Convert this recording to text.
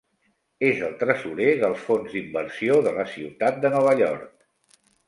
És el tresorer del fons d'inversió de la ciutat de Nova York.